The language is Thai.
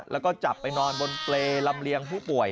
แล้วก็จับไปนอนบนเปรย์ลำเลียงผู้ป่วย